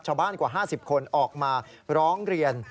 ชาวบ้านกว่า๕๐คนออกมาร้องเกลียน